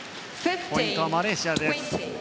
ポイントはマレーシア。